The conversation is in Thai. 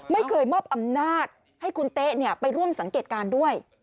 ไม่เคยมอบอำนาจให้คุณเต๊ะไปร่วมสังเกตการณ์ด้วย